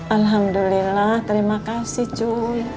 alhamdulillah terima kasih cuy